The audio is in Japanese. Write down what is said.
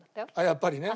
やっぱりね。